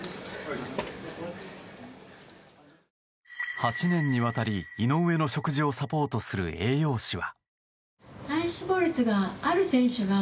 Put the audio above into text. ８年にわたり、井上の食事をサポートする栄養士は。